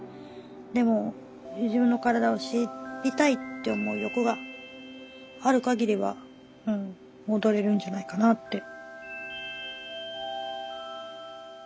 でも自分の身体を知りたいって思う欲があるかぎりは踊れるんじゃないかなって。